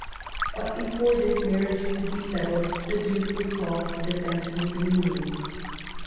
But before this marriage could be settled, the Duke was called to the defence of his dominions.